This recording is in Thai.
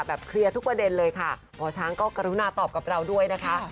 เคลียร์ทุกประเด็นเลยค่ะหมอช้างก็กรุณาตอบกับเราด้วยนะคะ